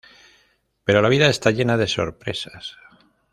Pero la vida está llena de sorpresas…